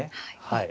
はい。